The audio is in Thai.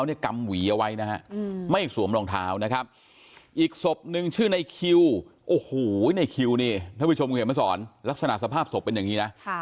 ในคิวเนี่ยถ้าผู้ชมเห็นมาสอนลักษณะสภาพศพเป็นอย่างนี้นะฮะ